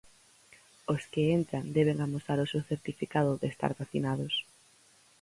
Os que entran deben amosar o seu certificado de estar vacinados.